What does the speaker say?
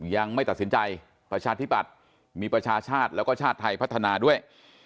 ยังไม่ตัดสินใจประชาธิบัติมีประชาชาติแล้วก็ชาติไทยพัฒนาด้วย